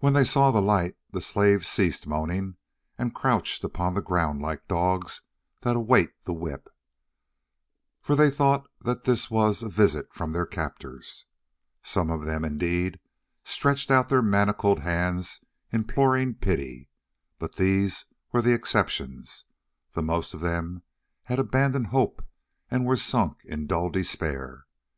When they saw the light the slaves ceased moaning, and crouched upon the ground like dogs that await the whip, for they thought that this was a visit from their captors. Some of them, indeed, stretched out their manacled hands imploring pity, but these were the exceptions; the most of them had abandoned hope and were sunk in dull despair.